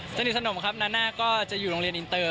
เจ้านี่สนมครับนาก็จะอยู่โรงเรียนอินเตอร์